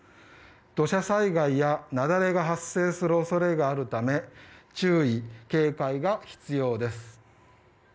土砂災害や雪崩が発生する恐れがあるため注意・警戒が必要です。